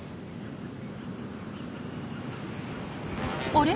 あれ？